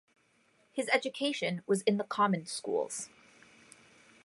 His education was in the common schools.